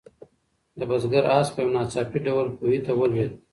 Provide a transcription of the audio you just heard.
د بزګر آس په یو ناڅاپي ډول کوهي ته ولوېد.